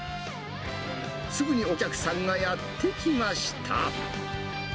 すぐにお客さんがやって来ました。